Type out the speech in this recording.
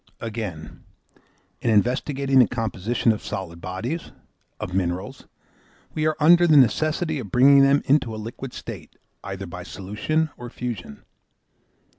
Again, in investigating the composition of solid bodies, of minerals, we are under the necessity of bringing them into a liquid state, either by solution or fusion.